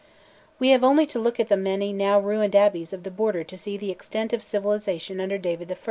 We have only to look at the many now ruined abbeys of the Border to see the extent of civilisation under David I.